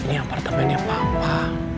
ini apartemennya papa